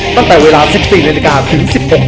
ตั้งแต่เวลา๑๔นถึง๑๖น